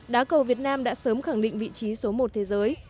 đá cầu việt nam đã sớm khẳng định vị trí số một thế giới